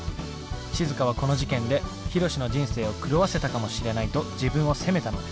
しずかはこの事件でヒロシの人生を狂わせたかもしれないと自分を責めたのです。